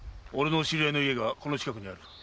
俺の知り合いの家がこの近くにある。